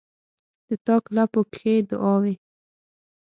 د تاک لپو کښې دعاوې،